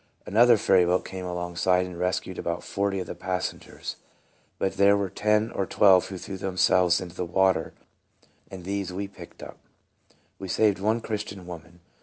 Another ferryboat came alongside and rescu ed about forty of the passengers, but there were ten or twelve who threw themselves into the water, and these we picked up. We saved one Christian woman.